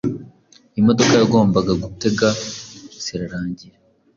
imodoka yagombaga gutega zirarangira